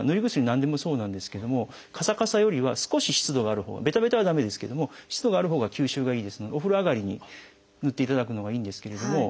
何でもそうなんですけれどもカサカサよりは少し湿度があるほうがベタベタは駄目ですけれども湿度があるほうが吸収がいいですのでお風呂上がりにぬっていただくのがいいんですけれども。